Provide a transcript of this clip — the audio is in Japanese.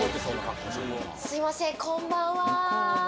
すいません、こんばんは。